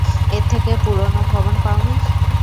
এর থেকে পুরোনো ভবন পাওনি?